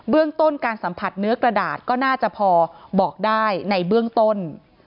เรื่องต้นการสัมผัสเนื้อกระดาษก็น่าจะพอบอกได้ในเบื้องต้น